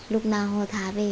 lúc nào họ thả về